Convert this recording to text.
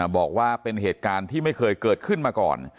บอกว่าเป็นเหตุการณ์ที่ไม่เคยเกิดขึ้นมาก่อน